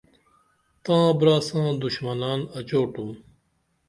تاں برا ساں دُڜمنان اچوٹُم